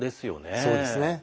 そうですね。